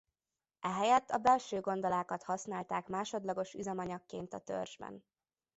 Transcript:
Ehelyett a belső gondolákat használták másodlagos üzemanyagként a törzsben.